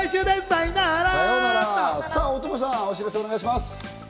大友さん、お知らせをお願いします。